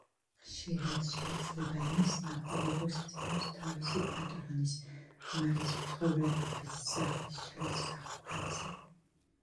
ხშირად შეიძლება იმის ნახვა, როგორ სძინავს თავისი პატრონის, მალის მცხოვრებლების, სახლის ჩალის სახურავზე.